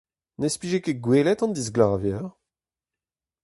Ne'z pije ket gwelet an disglavier ?